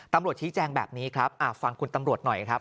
ตำรวจชี้แจงแบบนี้ครับฟังคุณตำรวจหน่อยครับ